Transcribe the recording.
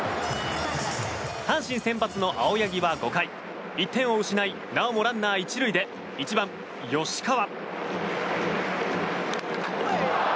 阪神先発の青柳は５回１点を失いなおもランナー１塁で１番、吉川。